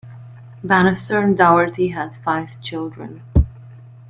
Banister and Daugherty had five children.